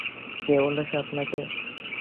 কে বলেছে আপনাকে?